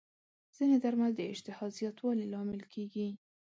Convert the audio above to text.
ځینې درمل د اشتها زیاتوالي لامل کېږي.